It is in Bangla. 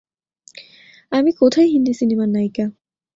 আমি কোথায় হিন্দি সিনেমার নায়িকা?